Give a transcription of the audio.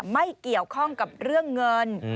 ไม่เกี่ยวข้องกับเรื่องเงิน